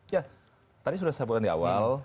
ya tadi sudah saya sebutkan di awal